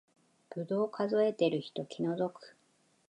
ぶどう数えてる人気の毒